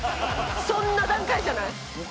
そんな段階じゃない。